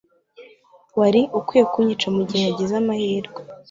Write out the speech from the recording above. wari ukwiye kunyica mugihe wagize amahirwe